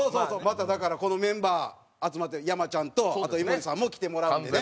まただからこのメンバー集まって山ちゃんとあと井森さんも来てもらうんでね